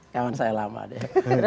kawan saya lama deh